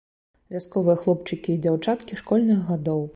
Вясковыя хлопчыкі і дзяўчаткі школьных гадоў.